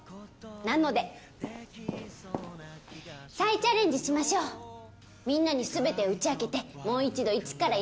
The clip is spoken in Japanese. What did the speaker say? なので再チャレンジしましょうみんなに全て打ち明けてもう一度一からやり直すんです